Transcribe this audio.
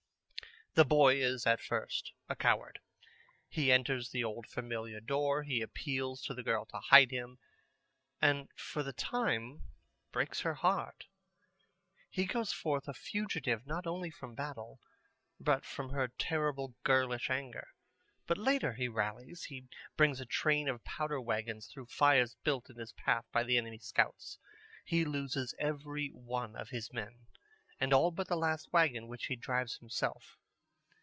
The boy is at first a coward. He enters the old familiar door. He appeals to the girl to hide him, and for the time breaks her heart. He goes forth a fugitive not only from battle, but from her terrible girlish anger. But later he rallies. He brings a train of powder wagons through fires built in his path by the enemy's scouts. He loses every one of his men, and all but the last wagon, which he drives himself.